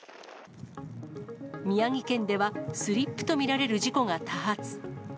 宮城県ではスリップと見られる事故が多発。